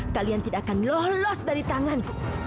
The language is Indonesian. kalian tidak akan lolos dari tanganku